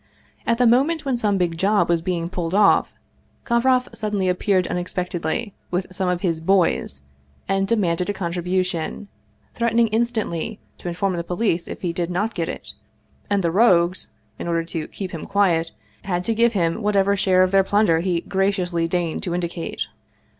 At the moment when some big job was being pulled off, Kovroff suddenly ap peared unexpectedly, with some of his " boys," and demanded a contribution, threatening instantly to inform the police if he did not get it and the rogues, in order to " keep him quiet," had to give him whatever share of their plunder he graciously deigned to indicate.